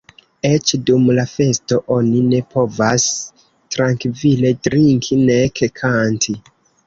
Eĉ dum la festo oni ne povas trankvile drinki, nek kanti.